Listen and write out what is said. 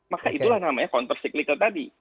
maka itulah namanya counter cyclical tadi